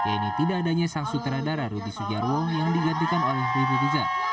yaitu tidak adanya sang sutradara rudi sugiarwo yang digantikan oleh ribi dijak